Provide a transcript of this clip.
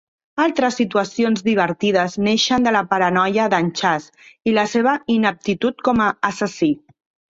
Altres situacions divertides neixen de la paranoia d'en Chaz i la seva ineptitud com a assassí.